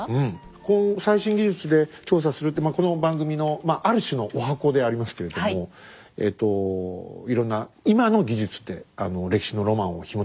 こう最新技術で調査するってまあこの番組のある種のおはこでありますけれどもえといろんな今の技術で歴史のロマンをひもとく